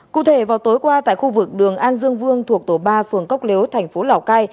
cụ thể vào tối qua tại khu vực đường an dương vương thuộc tổ ba phường cốc lếu thành phố lào cai